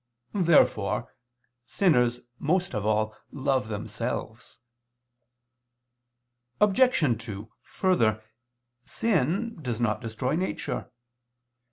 Therefore sinners most of all love themselves. Obj. 2: Further, sin does not destroy nature.